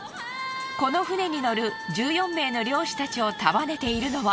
この船に乗る１４名の漁師たちを束ねているのは。